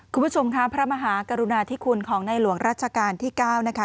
คุณผู้ชมค่ะพระมหากรุณาธิคุณของในหลวงรัชกาลที่๙นะคะ